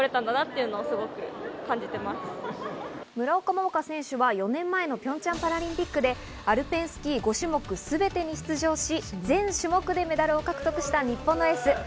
村岡桃佳選手は４年前のピョンチャンパラリンピックでアルペンスキー５種目すべてに出場し、全種目でメダルを獲得した日本のエース。